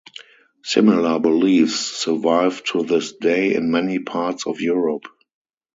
Similar beliefs survive to this day in many parts of Europe.